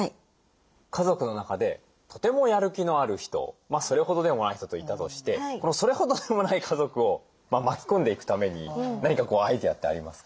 家族の中でとてもやる気のある人それほどでもない人といたとしてそれほどでもない家族を巻き込んでいくために何かアイデアってありますか？